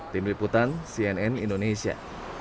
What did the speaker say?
tim liputan cnn indonesia